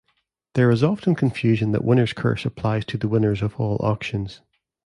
There is often confusion that winner's curse applies to the winners of all auctions.